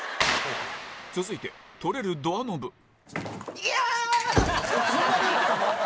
続いて取れるドアノブいやーっ！